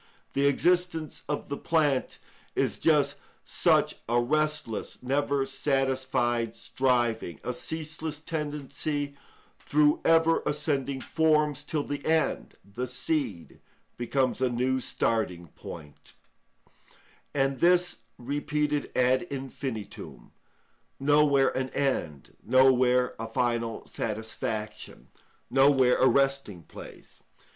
The existence of the plant is just such a restless, never satisfied striving, a ceaseless tendency through ever ascending forms, till the end, the seed, becomes a new starting point; and this repeated ad infinitum—nowhere an end, nowhere a final satisfaction, nowhere a resting place.